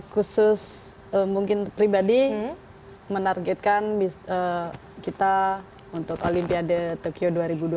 khusus mungkin pribadi menargetkan kita untuk olimpiade tokyo dua ribu dua puluh